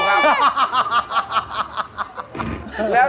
โอ้โฮ